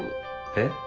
えっ？